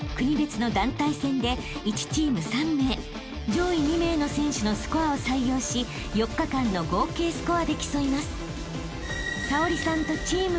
［上位２名の選手のスコアを採用し４日間の合計スコアで競います］